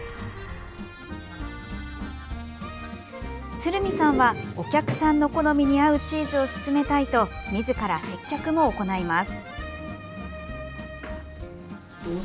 鶴見さんはお客さんの好みに合うチーズを勧めたいとみずから接客も行います。